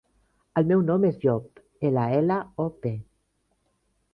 El meu nom és Llop: ela, ela, o, pe.